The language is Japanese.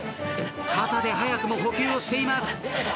肩で早くも呼吸をしています。